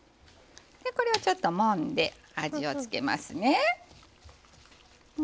これをちょっともんで味を付けますね。